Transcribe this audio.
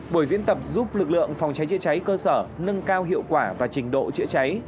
buổi diễn tập giúp lực lượng phòng cháy chữa cháy cơ sở nâng cao hiệu quả và trình độ chữa cháy